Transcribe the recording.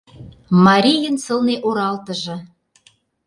Марийын сылне оралтыже